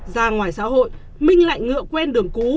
ra ngoài xã hội minh lại ngựa quen đường cũ